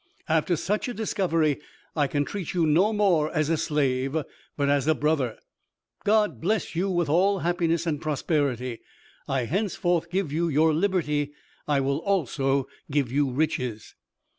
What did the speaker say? After such a discovery, I can treat you no more as a slave, but as a brother. God bless you with all happiness and prosperity. I henceforth give you your liberty; I will also give you riches."